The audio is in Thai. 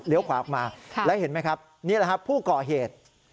ขวาออกมาแล้วเห็นไหมครับนี่แหละครับผู้ก่อเหตุ